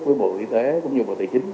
với bộ y tế cũng như bộ tài chính